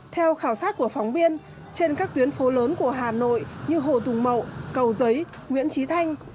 theo khảo sát của phóng viên trên các tuyến phố lớn của hà nội như hồ tùng mậu cầu giấy nguyễn trí thanh